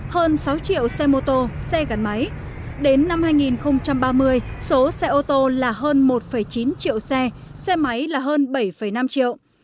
hơn sáu triệu xe mô tô xe gắn máy đến năm hai nghìn ba mươi số xe ô tô là hơn một chín triệu xe xe máy là hơn bảy năm triệu